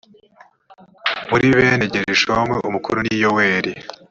muri bene gerushomu umukuru ni yoweli